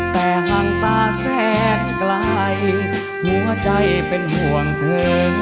แต่ห่างตาแสนไกลหัวใจเป็นห่วงเธอ